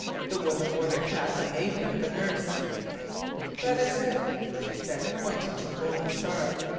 The woman wore the cap and apron of a nurse. "That is it," she said, pointing to the golden star.